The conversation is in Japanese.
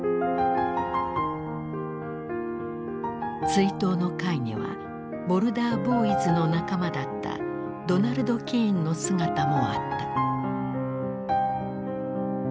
追悼の会にはボルダー・ボーイズの仲間だったドナルド・キーンの姿もあった。